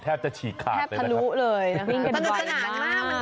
แทบจะฉีกขาดเลยนะคะแทบถะรุเลยน่าค่ะสนุกสนานมาก